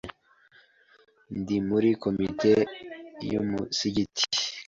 Ndi muri komite y’umusigiti